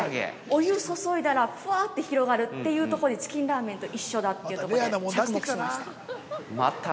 ◆お湯を注いだらふわって広がるっていうところでチキンラーメンと一緒だというとこで着目しました。